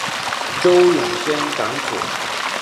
邹永煊长子。